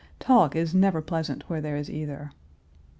Talk is never pleasant where there is either.